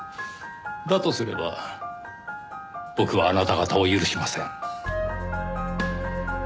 だとすれば僕はあなた方を許しません。